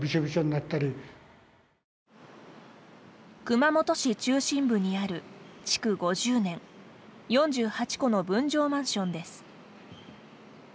熊本市中心部にある、築５０年４８戸の分譲マンションです。